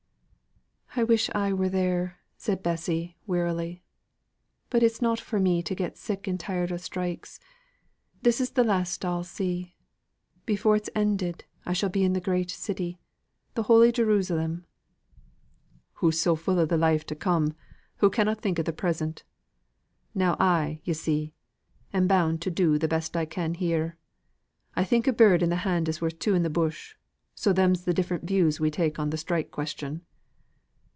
"I wish I were there," said Bessie, wearily. "But it's not for me to get sick and tired o' strikes. This is the last I'll see. Before it's ended I shall be in the Great City the Holy Jerusalem." "Hoo's so full of th' life to come, hoo cannot think of th' present. Now I, yo see, am bound to do the best I can here. I think a bird i' th' hand is worth two i' th' bush. So them's the different views we take on th' strike question."